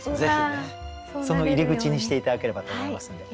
その入り口にして頂ければと思いますので。